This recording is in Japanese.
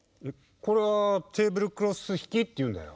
これはテーブルクロスひきっていうんだよ。